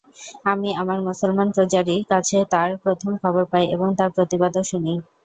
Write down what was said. আমি আমার মুসলমান প্রজারই কাছে তার প্রথম খবর পাই এবং তার প্রতিবাদও শুনি।